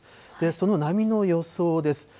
その波の予想です。